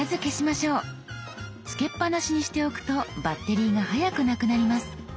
つけっぱなしにしておくとバッテリーが早くなくなります。